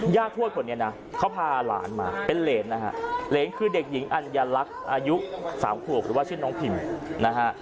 ย่าทวดเขานะครับเค้าพาหลานมาเป็นเรนเรนคือเด็กหญิงอันยลักษณ์อายุ๓ขัวปกติหูขึ้นว่าชื่นน้องพริมนะค่ะ